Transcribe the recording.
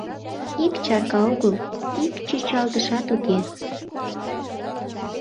Ик чарка огыл, ик чӱчалтышат уке.